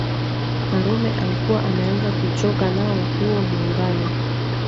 Karume alikuwa ameanza kuchoka nao huo Muungano